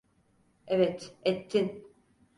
Evet, ettin.